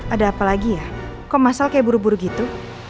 ada apa lagi ya kok masal kayak buru buru gitu